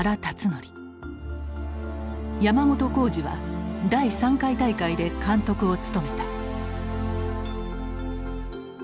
山本浩二は第３回大会で監督を務めた。